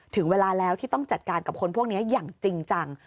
ถึงเวลาแล้วที่ต้องจัดการกับคนพวกนี้อย่างจริงจัง